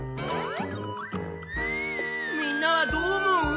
みんなはどう思う？